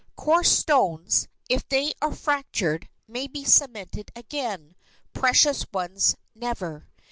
Coarse stones, if they are fractured, may be cemented again; precious ones never.